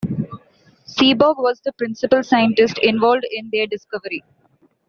Seaborg was the principal scientist involved in their discovery.